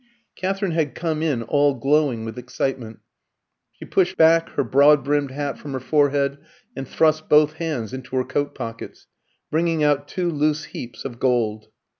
Katherine had come in all glowing with excitement. She pushed back her broad brimmed hat from her forehead, and thrust both hands into her coat pockets, bringing out two loose heaps of gold.